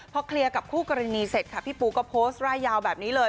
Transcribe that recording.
พอเคลียร์กับคู่กรณีเสร็จค่ะพี่ปูก็โพสต์ร่ายยาวแบบนี้เลย